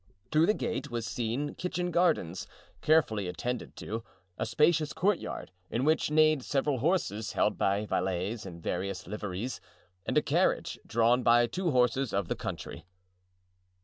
Through the gate was seen kitchen gardens, carefully attended to, a spacious courtyard, in which neighed several horses held by valets in various liveries, and a carriage, drawn by two horses of the country.